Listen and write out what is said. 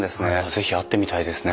是非会ってみたいですね。